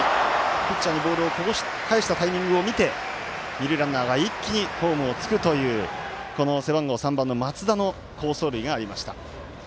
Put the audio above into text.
ピッチャーにボールを返したタイミングを見て二塁ランナーが一気にホームにつくという背番号３番の松田の好走塁がありました。